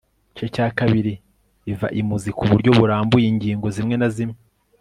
igice cya kabiri iva imuzi kuburyo burambuye ingingo zimwe na zimwe